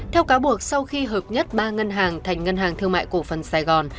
theo cáo buộc sau khi hợp nhất ba ngân hàng thành ngân hàng thương mại cổ phần sài gòn